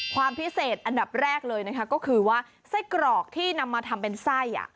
ความพิเศษอันดับแรกเลยนะคะก็คือว่าไส้กรอกที่นำมาทำเป็นไส้